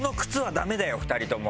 ２人とも。